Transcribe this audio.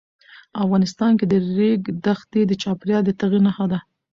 افغانستان کې د ریګ دښتې د چاپېریال د تغیر نښه ده.